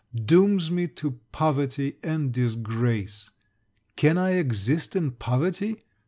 dooms me to poverty and disgrace. Can I exist in poverty?